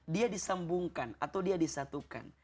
dia disambungkan atau dia disatukan